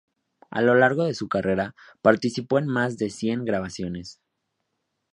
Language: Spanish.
A lo largo de su carrera, participó en más de cien grabaciones.